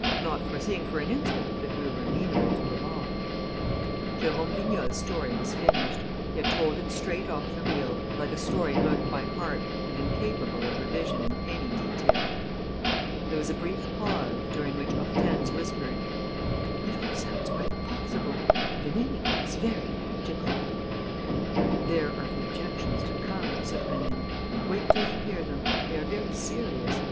not foreseeing for an instant that we were amenable to the law." Jérôme Vignal's story was finished. He had told it straight off the reel, like a story learnt by heart and incapable of revision in any detail. There was a brief pause, during which Hortense whispered: "It all sounds quite possible and, in any case, very logical." "There are the objections to come," said Rénine. "Wait till you hear them. They are very serious.